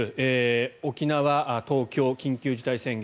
沖縄、東京、緊急事態宣言。